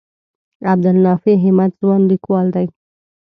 عبدالنافع همت ځوان لیکوال دی.